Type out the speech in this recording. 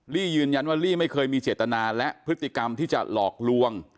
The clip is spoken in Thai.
ี่ยืนยันว่าลี่ไม่เคยมีเจตนาและพฤติกรรมที่จะหลอกลวง